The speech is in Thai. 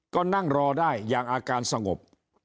ก็นั่งรอได้อย่างอาการสงบ